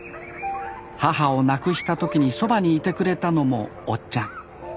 母を亡くした時にそばにいてくれたのもおっちゃん。